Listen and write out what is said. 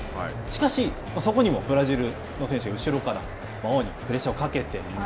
しかし、そこにもブラジルの選手が後ろから碧にプレッシャーをかけている。